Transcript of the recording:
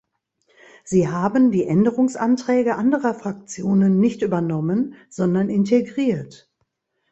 Sie haben die Änderungsanträge anderer Fraktionen nicht übernommen, sondern integriert.